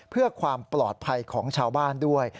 เพื่อความปลอดภัยของชาวบ้านด้วย